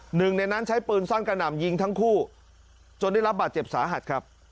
หนึ่งในนั้นใช้ปืนสั้นกระหน่ำยิงทั้งคู่จนได้รับบาดเจ็บสาหัสครับ